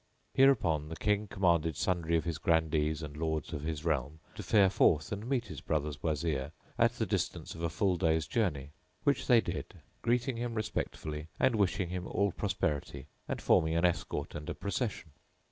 Hereupon the King commanded sundry of his Grandees and Lords of his realm to fare forth and meet his brother's Wazir at the distance of a full day's journey; which they did, greeting him respectfully and wishing him all prosperity and forming an escort and a procession.